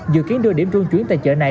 dự kiến đưa điểm trung chuyến tại chợ này